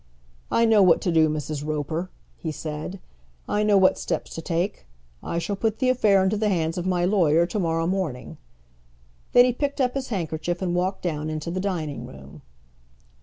"I know what to do, Mrs. Roper," he said. "I know what steps to take. I shall put the affair into the hands of my lawyer to morrow morning." Then he picked up his handkerchief and walked down into the dining room.